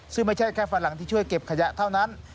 ซึ่งไม่ใช่แค่ฝรั่งที่ช่วยเก็บขยะเท่านั้น